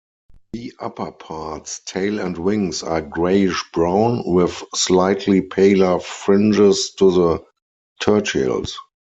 The upperparts, tail and wings are greyish-brown, with slightly paler fringes to the tertials.